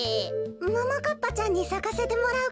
ももかっぱちゃんにさかせてもらうから。